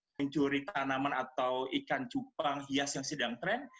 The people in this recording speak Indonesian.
mencuri tanaman atau ikan cupang hias yang sedang tren